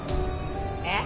えっ？